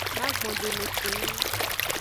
Magbondeme keng.